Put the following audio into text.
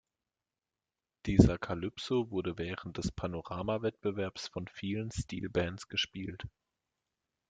Dieser Calypso wurde während des Panorama-Wettbewerbs von vielen Steelbands gespielt.